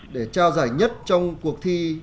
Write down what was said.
để trao giải nhất trong cuộc thi